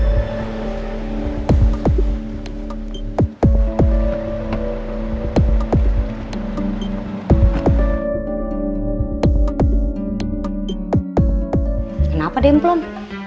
kenapa ada implom